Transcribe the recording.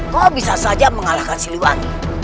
gue bisa saja mengalahkan siliwangi